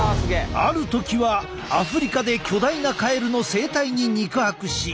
ある時はアフリカで巨大なカエルの生態に肉薄し。